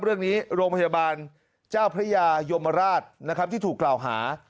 โรงพยาบาลเจ้าพระยายมราชนะครับที่ถูกกล่าวหา